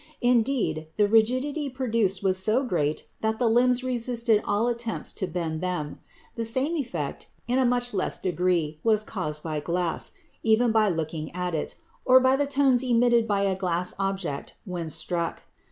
Indeed, the rigidity produced was so great that the limbs resisted all attempts to bend them. The same effect, but in a much less degree, was caused by glass, even by looking at it, or by the tones emitted by a glass object when struck.